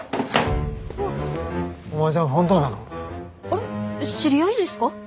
あれ知り合いですか？